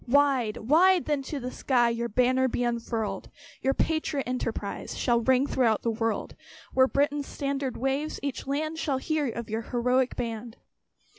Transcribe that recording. Wide, wide then to the skies Your banner be unfurled! Your patriot enterprise Shall ring throughout the world. Where Britain's standard waves, each land Shall hear of your heroic band.